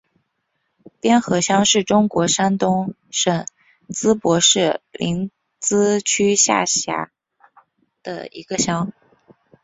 边河乡是中国山东省淄博市临淄区下辖的一个乡。